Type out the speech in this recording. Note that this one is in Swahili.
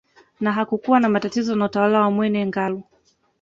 Na hakukuwa na matatizo na utawala wa Mwene Ngalu